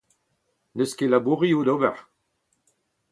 N'eus ket labourioù d'ober.